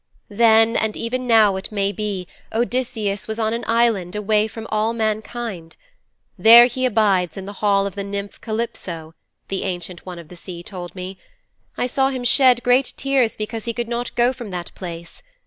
'Then, and even now it may be, Odysseus was on an island away from all mankind. "There he abides in the hall of the nymph Calypso," the Ancient One of the Sea told me. "I saw him shed great tears because he could not go from that place.